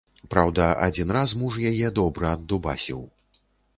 Праўда, адзін раз муж яе добра аддубасіў.